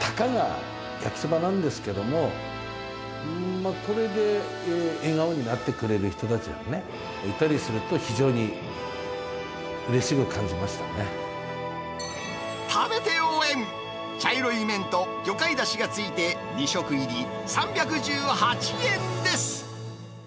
たかが焼きそばなんですけども、これで笑顔になってくれる人たちがね、いたりすると、食べて応援、茶色い麺と魚介だしがついて２食入り３１８円です。